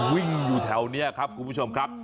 วิ่งอยู่แถวนี้ครับคุณผู้ชมครับ